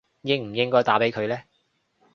應唔應該打畀佢呢